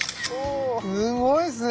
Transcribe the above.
すごいですね。